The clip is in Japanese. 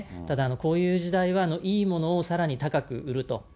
ただ、こういう時代は、いいものをさらに高く売ると。